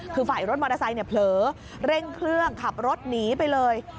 คือฝ่ายรถมอเตอร์ไซค์เผลอเร่งเครื่องขับรถหนีไปเลย